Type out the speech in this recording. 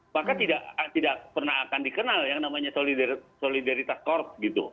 maka tidak pernah akan dikenal yang namanya solidaritas korps